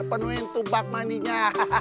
kepenuhin tubak maninya